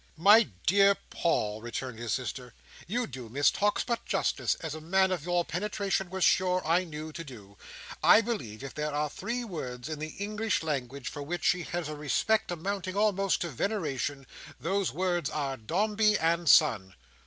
"My dear Paul," returned his sister, "you do Miss Tox but justice, as a man of your penetration was sure, I knew, to do. I believe if there are three words in the English language for which she has a respect amounting almost to veneration, those words are, Dombey and Son."